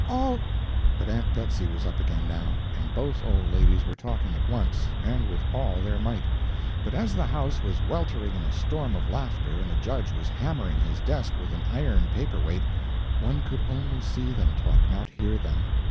All " But Aunt Betsy was up again now, and both old ladies were talking at once and with all their might; but as the house was weltering in a storm of laughter, and the judge was hammering his desk with an iron paper weight, one could only see them talk, not hear them.